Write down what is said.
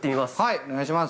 お願いします。